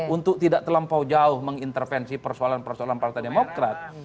untuk tidak terlampau jauh mengintervensi persoalan persoalan partai demokrat